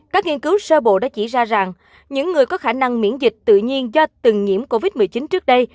các nghiên cứu sơ bộ đã chỉ ra rằng những người có khả năng miễn dịch tự nhiên do từng nhiễm covid một mươi chín trước đây